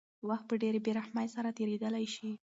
وخت په ډېرې بېرحمۍ سره تېرېدلی شي.